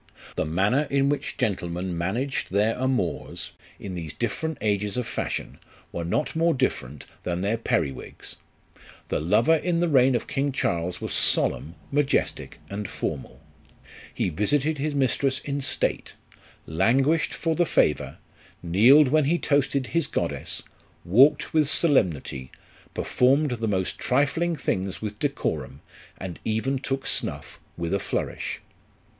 The manner in which gentlemen managed their amours, in these different ages of fashion, were not more different than their perriwigs. The lover in the reign of King Charles was solemn, majestic, and formal. He visited his mistress in state ; languished for the favour, kneeled when he toasted his goddess, walked with solemnity, performed the most trifling things with decorum, and even took snuff with a flourish.